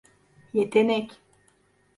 Yetenek…